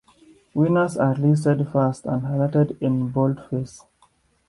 Winners are listed first and highlighted in boldface.